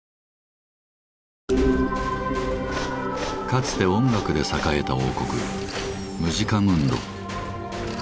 かつて音楽で栄えた王国「ムジカムンド」。